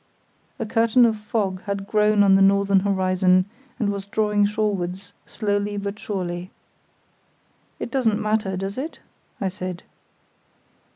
A curtain of fog had grown on the northern horizon and was drawing shorewards slowly but surely. "It doesn't matter, does it?" I said.